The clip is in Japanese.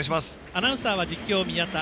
アナウンサーは実況、宮田。